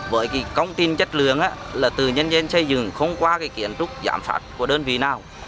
với công tin chất lượng là từ nhân dân xây dựng không qua kiến trúc giảm phát của đơn vị nào